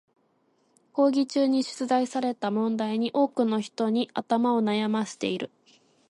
講義中に出題された問題に多くの人に頭を悩ませている。